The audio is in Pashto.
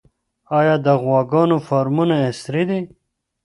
آیا د غواګانو فارمونه عصري دي؟